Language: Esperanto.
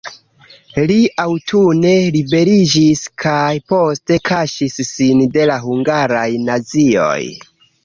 Li aŭtune liberiĝis kaj poste kaŝis sin de la hungaraj nazioj.